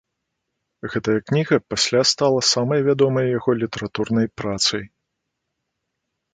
Гэтая кніга пасля стала самай вядомай яго літаратурнай працай.